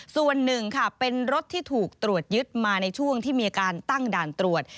ส่วนหนึ่งค่ะเป็นรถที่ถูกตรวจยึดมาในช่วงที่มีการตั้งด่านตรวจ